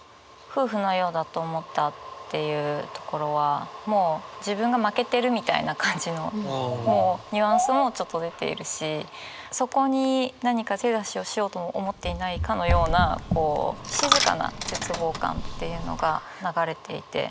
夫婦のようだと思ったっていうところはもう自分が負けてるみたいな感じのニュアンスもちょっと出ているしそこに何か手出しをしようとも思っていないかのような静かな絶望感っていうのが流れていて。